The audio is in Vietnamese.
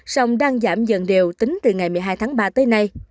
sông đang giảm dần đều tính từ ngày một mươi hai tháng ba tới nay